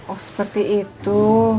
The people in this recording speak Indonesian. oh seperti itu